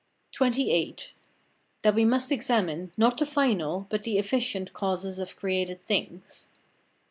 XXVIII. That we must examine, not the final, but the efficient, causes of created things.